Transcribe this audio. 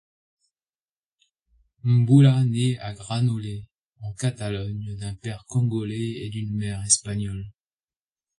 Mboula naît à Granollers, en Catalogne d'un père congolais et d'une mère espagnole.